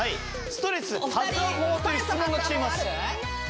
ストレス発散法という質問がきています